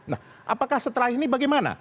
nah apakah setelah ini bagaimana